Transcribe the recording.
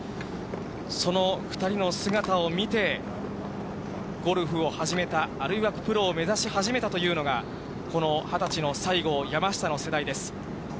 その２人の姿を見て、ゴルフを始めた、あるいはプロを目指し始めたというのが、この２０歳の西郷、山下の世代です。